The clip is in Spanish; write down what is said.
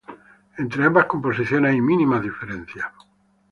Entre ambas composiciones hay mínimas diferencias.